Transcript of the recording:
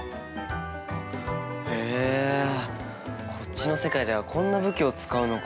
へえ、こっちの世界ではこんな武器を使うのか。